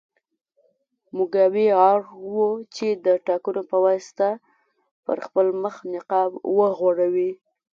موګابي اړ و چې د ټاکنو په واسطه پر خپل مخ نقاب وغوړوي.